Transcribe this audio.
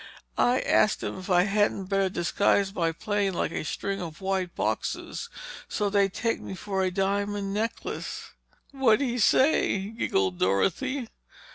I asked him if I hadn't better disguise my plane like a string of white boxes so they'd take me for a diamond necklace!" "What'd he say?" giggled Dorothy.